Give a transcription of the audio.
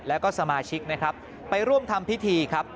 แล้วก็สมาชิกนะครับไปร่วมทำพิธีครับ